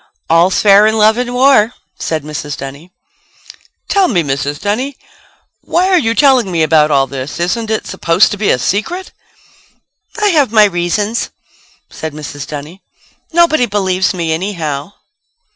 "All's fair in love and war," said Mrs. Dunny. "Tell me, Mrs. Dunny. Why are you telling me about all this? Isn't it supposed to be a secret?" "I have my reasons," said Mrs. Dunny. "Nobody believes me anyhow."